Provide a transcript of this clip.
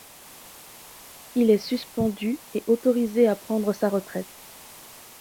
Il est suspendu et autorisé à prendre sa retraite.